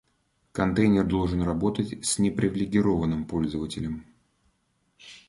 Контейнер должен работать с непривилегированным пользователем